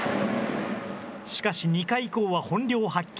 しかし、２回以降は本領を発揮。